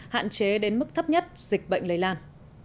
hạn chế đến mức thấp nhất dịch bệnh lây lan